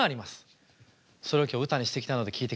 それを今日歌にしてきたので聴いてください。